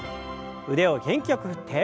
腕を元気よく振って。